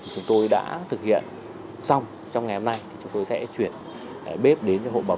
chúng tôi đã thực hiện xong trong ngày hôm nay chúng tôi sẽ chuyển bếp đến hội bảo vân để sử dụng